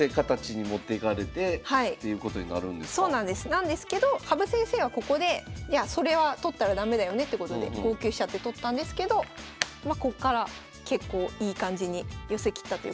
なんですけど羽生先生はここでいやそれは取ったら駄目だよねってことで５九飛車って取ったんですけどまこっから結構いい感じに寄せ切ったということで。